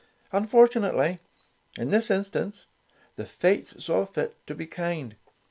And fortunately, in this instance, the Fates saw fit to be kind.